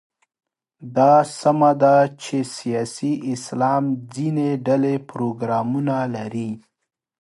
دا سمه ده چې سیاسي اسلام ځینې ډلې پروګرامونه لري.